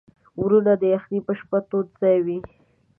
ورور د یخنۍ په شپه تود ځای وي.